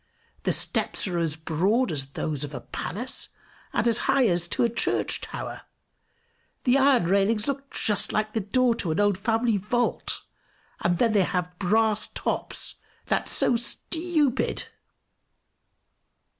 The steps are as broad as those of a palace, and as high as to a church tower. The iron railings look just like the door to an old family vault, and then they have brass tops that's so stupid!"